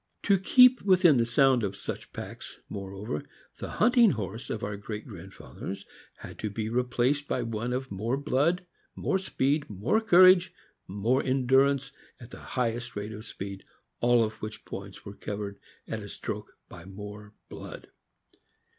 To keep within sound of such packs, moreover, the hunting horse of our great grandfathers had to be replaced by one of more blood, more speed, more courage, more endurance at the .highest rate of speed — all of which points were covered at a stroke by more blood.